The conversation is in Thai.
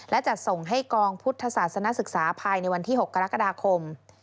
และจัดส่งให้กองพุทธศาสนศึกษาภายในวันที่๖กรกฎาคม